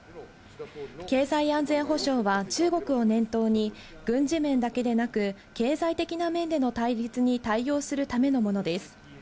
経済安全保障は、中国を念頭に、軍事面だけでなく、経済的な面での対立に対応するためのものです。